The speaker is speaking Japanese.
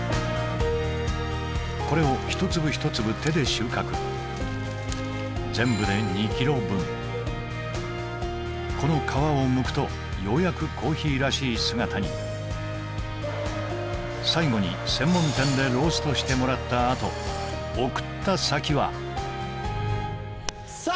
これを１粒１粒手で収穫全部で２ｋｇ分この皮をむくとようやくコーヒーらしい姿に最後に専門店でローストしてもらったあと送った先はさあ！